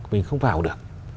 mình không vào được